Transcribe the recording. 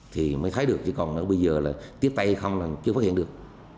thì mới thấy được chỉ còn bây giờ là tiếp tay không chưa phát hiện được